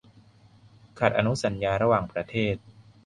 ขัดอนุสัญญาระหว่างประเทศ